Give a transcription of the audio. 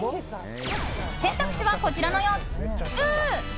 選択肢は、こちらの４つ。